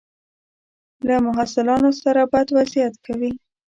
له محصلانو سره بد وضعیت کوي.